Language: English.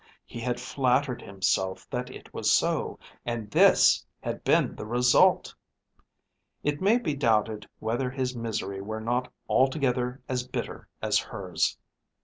He had flattered himself that it was so, and this had been the result! It may be doubted whether his misery were not altogether as bitter as hers.